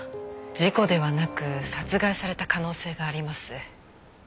事故ではなく殺害された可能性があります。